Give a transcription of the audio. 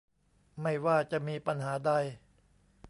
ไม่ว่าจะมีปัญหาใด